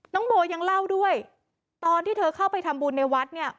น้องโบยังเล่าด้วยตอนที่เธอเข้าไปทำบุญในวัดเนี่ย